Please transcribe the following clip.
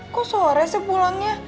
kok sore sih pulangnya